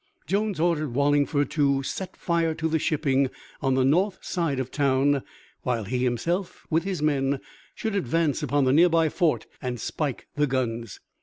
Jones ordered Wallingford to set fire to the shipping on the north side of the town, while he himself with his men should advance upon the nearby fort and spike the guns.